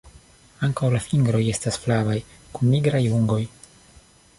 Ankaŭ la fingroj estas flavaj kun nigraj ungoj.